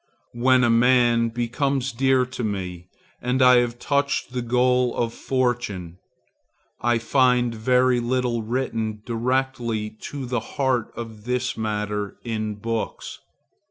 When a man becomes dear to me I have touched the goal of fortune. I find very little written directly to the heart of this matter in books.